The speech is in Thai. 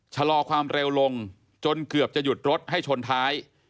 ชะลอความเร็วลงจนเกือบจะหยุดรถให้ชนท้าย